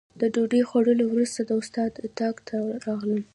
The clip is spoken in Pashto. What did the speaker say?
د ډوډۍ خوړلو وروسته د استاد اتاق ته راغلم.